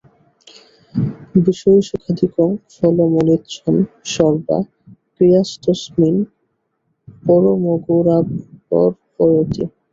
বিষয়সুখাদিকং ফলমনিচ্ছন সর্বা ক্রিয়াস্তস্মিন পরমগুরাবর্পয়তি।